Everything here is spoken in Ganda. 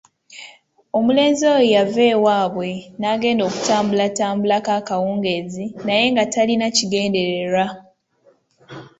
Omulenzi oyo yava ewaabwe n'agenda okutambulatambulako akawungeezi naye nga talina kigendererwa.